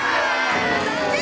残念！